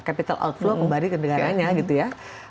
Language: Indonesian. capital outflow kembali ke negaranya gitu ya